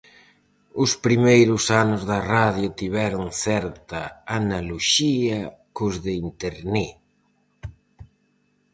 Os primeiros anos da radio tiveron certa analoxía cos de Internet.